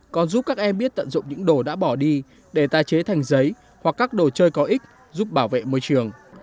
còn giúp các em biết tận dụng những đồ đã bỏ đi để tài chế thành giấy hoặc các đồ chơi có ích giúp bảo vệ môi trường